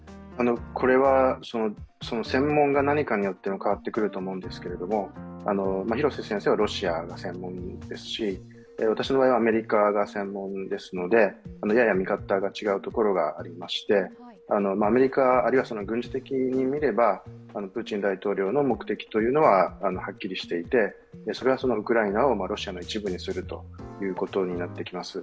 専門が何かによっても変わってくると思うんですけれども、廣瀬先生はロシアが専門ですし私の場合はアメリカが専門ですのでやや見方が違うところがありましてアメリカ、あるいは軍事的に見ればプーチン大統領の目的ははっきりしていて、それはウクライナをロシアの一部にするということになってきます。